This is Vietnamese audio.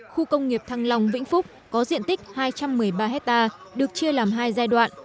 khu công nghiệp thăng long vĩnh phúc có diện tích hai trăm một mươi ba hectare được chia làm hai giai đoạn